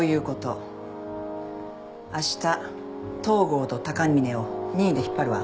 あした東郷と高峰を任意で引っ張るわ。